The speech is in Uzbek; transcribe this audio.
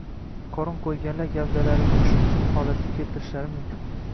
Qorin qo‘yganlar gavdalarini xushbichim holatga keltirishlari mumkin.